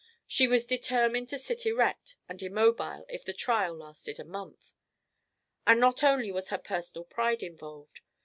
She was determined to sit erect and immobile if the trial lasted a month. And not only was her personal pride involved.